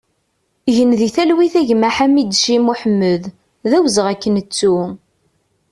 Gen di talwit a gma Ḥamideci Moḥemmed, d awezɣi ad k-nettu!